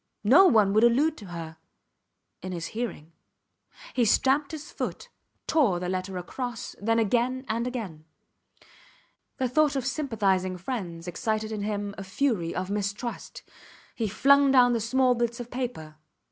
No one would allude to her ... in his hearing. He stamped his foot, tore the letter across, then again and again. The thought of sympathizing friends excited in him a fury of mistrust. He flung down the small bits of paper.